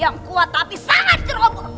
yang kuat tapi sangat ceroboh